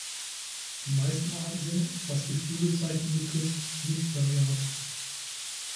Die meisten Arten sind, was die Flügelzeichnung betrifft, nicht variabel.